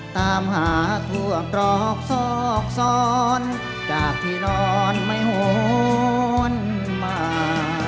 ตามหาทั่วตรอกซอกซ้อนจากที่นอนไม่โหนมา